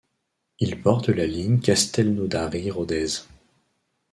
Il porte la ligne Castelnaudary - Rodez.